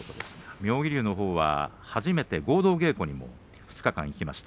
妙義龍のほうは初めて合同稽古にも２日間参加しました。